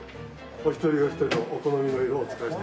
お一人お一人のお好みの色をお伝えして頂く。